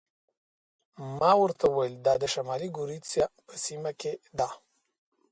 ما ورته وویل: دا د شمالي ګوریزیا په سیمه کې ده.